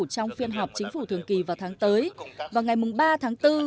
trong phiên họp chính phủ thường kỳ vào tháng tới vào ngày ba tháng bốn